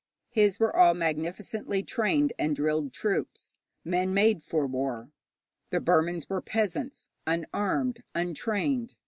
His were all magnificently trained and drilled troops, men made for war; the Burmans were peasants, unarmed, untrained.